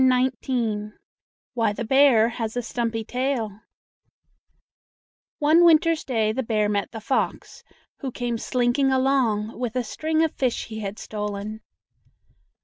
WHY THE BEAR HAS A STUMPY TAIL One winter's day the bear met the fox, who came slinking along with a string of fish he had stolen.